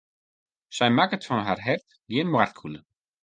Sy makket fan har hert gjin moardkûle.